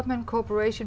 khi nó được kết thúc